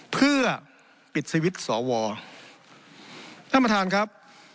เพื่อปิดสวิตช์สอวอท่านประธานครับ